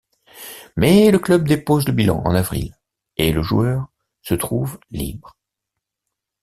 Mais le club dépose le bilan en avril et le joueur se trouve libre.